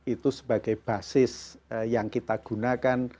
itu sebagai basis yang kita gunakan